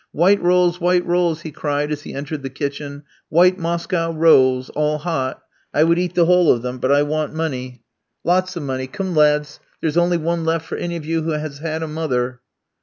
"White rolls, white rolls," he cried, as he entered the kitchen, "white Moscow rolls, all hot. I would eat the whole of them, but I want money, lots of money. Come, lads, there is only one left for any of you who has had a mother."